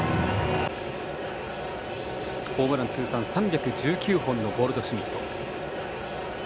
ホームラン通算３１９本のゴールドシュミット。